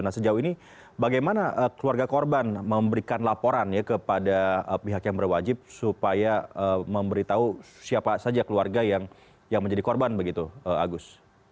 nah sejauh ini bagaimana keluarga korban memberikan laporan ya kepada pihak yang berwajib supaya memberitahu siapa saja keluarga yang menjadi korban begitu agus